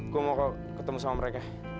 gue mau ketemu sama mereka